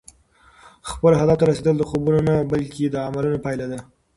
خپل هدف ته رسېدل د خوبونو نه، بلکې د عملونو پایله ده.